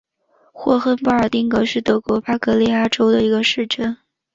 霍亨波尔丁格是德国巴伐利亚州的一个市镇。